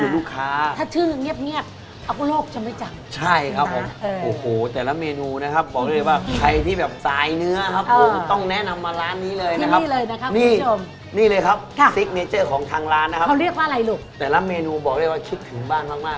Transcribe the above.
ถ้าพร้อมแล้วเรามาล้างบางกันเลยครับ